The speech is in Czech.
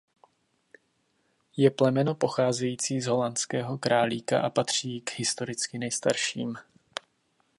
Je plemeno pocházející z holandského králíka a patří k historicky nejstarším.